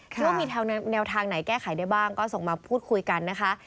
หรือว่ามีแนวทางไหนแก้ไขได้บ้างก็ส่งมาพูดคุยกันนะคะ